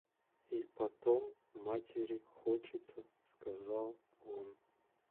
И потом матери хочется, — сказал он.